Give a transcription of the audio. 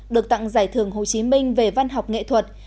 được tặng giải thưởng hồ chí minh về văn học nghệ thuật